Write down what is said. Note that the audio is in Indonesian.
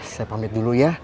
saya pamit dulu ya